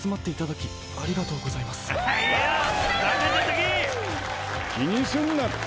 きにすんなって。